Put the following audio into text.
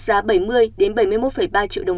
giá bảy mươi bảy mươi một ba triệu đồng